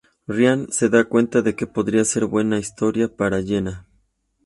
Ryan se da cuenta de que podría ser buena historia para Jenna.